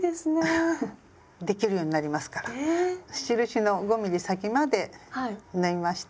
印の５ｍｍ先まで縫いました。